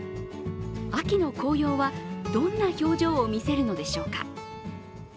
秋の紅葉はどんな表情を見せるのでしょうか。